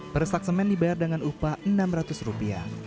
per sak semen dibayar dengan upah rp enam ratus